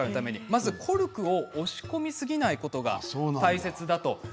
まずコルクを押し込みすぎないことが大切だと。